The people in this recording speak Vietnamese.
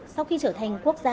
sau khi trở thành quốc gia